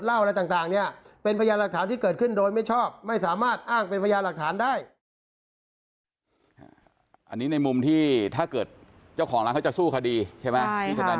อันนี้ในมุมที่ถ้าเกิดเจ้าของร้านเขาจะสู้คดีใช่ไหม